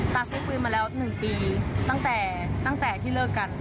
ตาซื้อพื้นมาแล้วหนึ่งปีตั้งแต่ที่เลิกกัน